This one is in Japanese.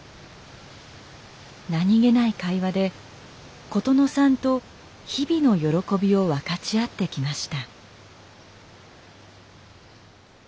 何気ない会話で琴乃さんと日々の喜びを分かち合ってきました。